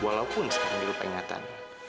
walaupun sekarang dia lupa ingatan